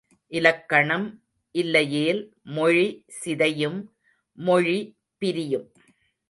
இலக்கணம் இல்லையேல் மொழி சிதையும் மொழி பிரியும்.